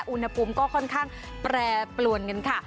อุณหภูมิก็ค่อนข้างแปรปรวนกันค่ะ